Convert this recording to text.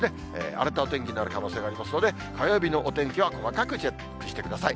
荒れたお天気になる可能性がありますので、火曜日のお天気は細かくチェックしてください。